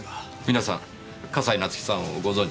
皆さん笠井夏生さんをご存じですか？